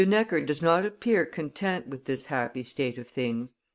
Necker does not appear content with this happy state of things.